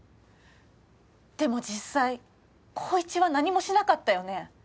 でも実際紘一は何もしなかったよね。